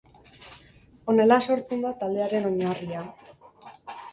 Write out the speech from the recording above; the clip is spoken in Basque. Honela sortzen da taldearen oinarria.